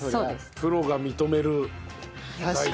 プロが認める大根。